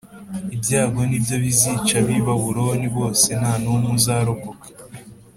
Ibyago Ni byo bizica ab’ibabuloni bose ntanumwe uzarokaka